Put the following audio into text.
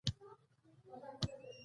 چای سوړ شوی